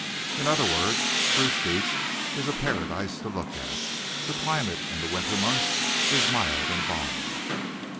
In other words, Spruce Beach is a paradise to look at. The climate, in the winter months, is mild and balmy.